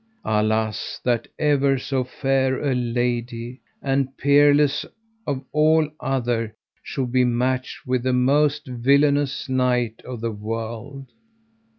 Alas, that ever so fair a lady and peerless of all other should be matched with the most villainous knight of the world.